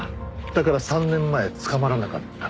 だから３年前捕まらなかった。